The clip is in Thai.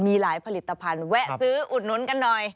มีหลายผลิตภัณฑ์แวะซื้ออุดหนุนกันหน่อย